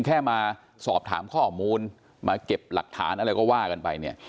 แค่มาสอบถามข้อมูลมาเก็บหลักฐานอะไรก็ว่ากันไปเนี่ย